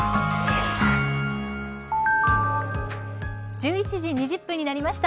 １１時２０分になりました。